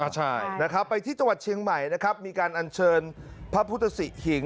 ใช่ไปที่จังหวัดเชียงใหม่มีการอัญเชิญพระพุทธศิหิง